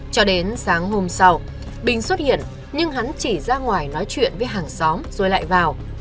cho đến sáng hôm sau bình xuất hiện nhưng hắn chỉ ra ngoài nói chuyện với hàng xóm rồi lại vào